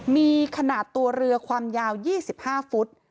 มีขนาดตัวเรือความยาว๒๕ฟุต